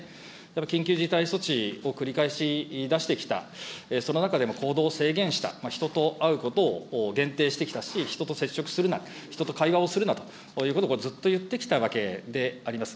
緊急事態措置を繰り返し出してきた、その中での行動を制限した、人と会うことを限定してきたし、人と接触するな、人と会話するなということをずっと言ってきたわけであります。